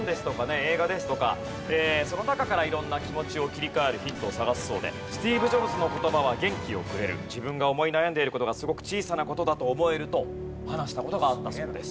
映画ですとかその中から色んな気持ちを切り替えるヒントを探すそうで「スティーブ・ジョブズの言葉は元気をくれる」「自分が思い悩んでいる事がすごく小さな事だと思える」と話した事があったそうです。